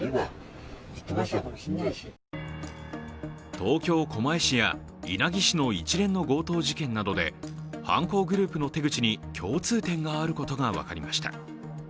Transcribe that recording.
東京・狛江市や稲城市の一連の強盗事件などで犯行グループの手口に共通点があることが分かりました。